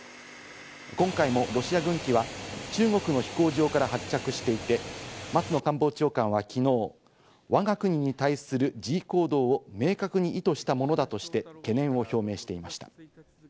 今回もロシア軍機は中国の飛行場から発着していて、松野官房長官は昨日、わが国に対する示威行動を明確に意図したものだとして懸念を表明していました。